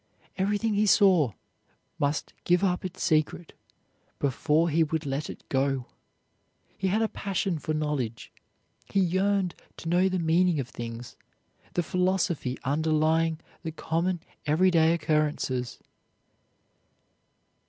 Everything he saw must give up its secret before he would let it go. He had a passion for knowledge; he yearned to know the meaning of things, the philosophy underlying the common, everyday occurrences.